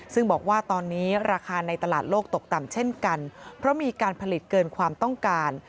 ซึ่งบอกว่าตอนนี้ราคาในตลาดโลกตกต่ำเช่นกันเพราะมีการผลิตเกินความต้องการ